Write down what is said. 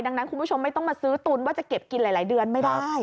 ดังนั้นคุณผู้ชมไม่ต้องมาซื้อตุนว่าจะเก็บกินหลายเดือนไม่ได้